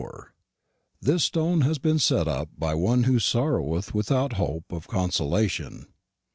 This stone has been set up by one who sorroweth without hope of consolation."